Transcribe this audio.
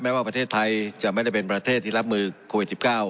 ว่าประเทศไทยจะไม่ได้เป็นประเทศที่รับมือโควิด๑๙